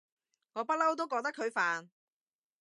我不嬲都覺得佢煩